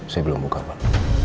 saya belum buka pak